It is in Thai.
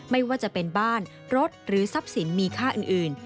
ไม่ว่าจะเป็นบ้านรถหรือทรัพย์สินมีค่าอื่น